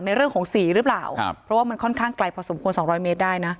ในเรื่องของสีหรือเปล่าครับเพราะว่ามันค่อนข้างไกลพอสมควรสองร้อยเมตรได้นะ